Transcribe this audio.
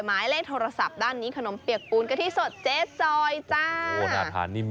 หมายเล่นโทรศัพท์ด้านนี้ขนมเปียกอู๋นกะทิสดเจ๊จอยจ้า